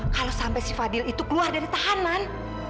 kalau sampai si fadil itu keluar dari tahanan